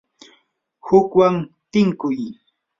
hukwan tinkuq